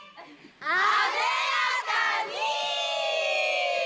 艶やかに！